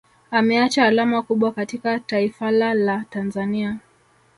Ameacha alama kubwa katika Taifala la Tanzania